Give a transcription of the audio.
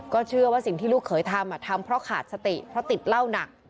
เชื่อว่าสิ่งที่ลูกเขยทำทำเพราะขาดสติเพราะติดเหล้าหนัก